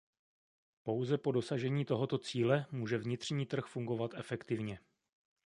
Pouze po dosažení tohoto cíle může vnitřní trh fungovat efektivně.